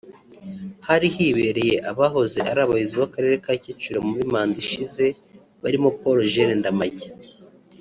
hari hibereye abahoze ari abayobozi b’Akarere ka Kicukiro muri manda ishize barimo Paul Jules Ndamage